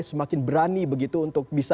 semakin berani begitu untuk bisa